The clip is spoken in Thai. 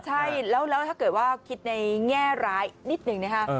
ใช่แล้วถ้าเกิดว่าคิดในแง่ร้ายนิดหนึ่งนะคะ